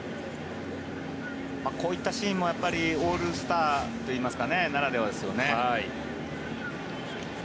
こういったシーンもオールスターならではですよね。